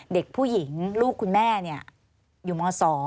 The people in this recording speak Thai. เด็กผู้หญิงลูกคุณแม่อยู่ม๒